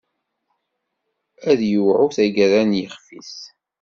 Ad yewɛu taggara n yixf-is.